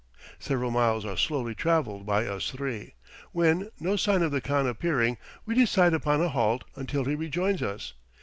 Several miles are slowly travelled by us three, when, no sign of the khan appearing, we decide upon a halt until he rejoins us.